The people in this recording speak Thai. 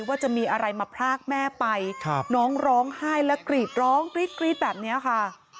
ว่าจะมีอะไรมาพรากแม่ไปน้องร้องไห้และกรีดร้องกรี๊ดแบบนี้ค่ะ